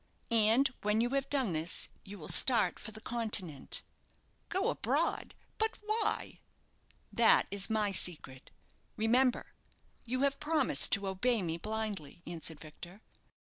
And when you have done this, you will start for the Continent." "Go abroad? But why?" "That is my secret. Remember, you have promised to obey me blindly," answered Victor.